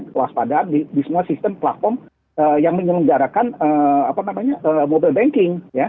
kewaspadaan di semua sistem platform yang menyelenggarakan mobile banking